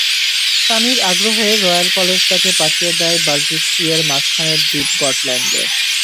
সানীর আগ্রহে royal college তাঁকে পাঠিয়ে দেয় বালটিক সি-এর মাঝখানের দ্বীপ গটল্যান্ডে।